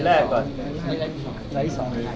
รายที่๓